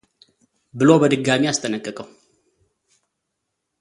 ብሎ በድጋሜ አስጠነቀቀው፡፡